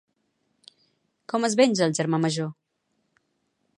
Com es venja el germà major?